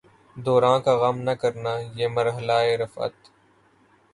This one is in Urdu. دوراں کا غم نہ کرنا، یہ مرحلہ ء رفعت